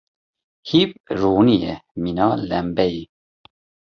Heyv ronî ye mîna lembeyê.